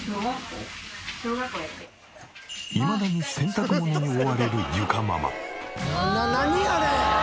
いまだに洗濯物に追われる裕佳ママ。